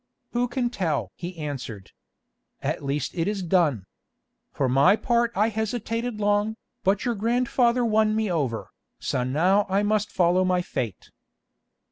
"Who can tell?" he answered. "At least it is done. For my part I hesitated long, but your grandfather won me over, so now I must follow my fate."